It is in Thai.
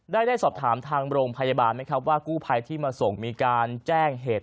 ได้สอบถามทางโรงพยาบาลไหมครับว่ากู้ภัยที่มาส่งมีการแจ้งเหตุ